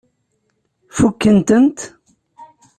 Fukkent-tent?